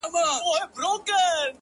زما خبري خدايه بيرته راکه ،